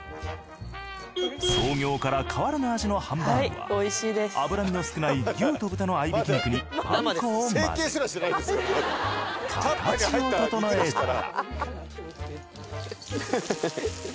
創業から変わらぬ味のハンバーグは脂身の少ない牛と豚の合い挽き肉にパン粉を混ぜ形を整えたら。